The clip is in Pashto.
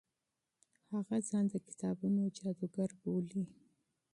هغه ځان د کتابونو جادوګر بولي.